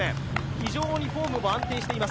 非常にフォームも安定しています。